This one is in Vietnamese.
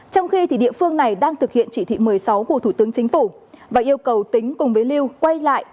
trong khi địa phương này đang thực hiện chỉ thị một mươi sáu của thủ tướng chính phủ và yêu cầu tính cùng với lưu quay lại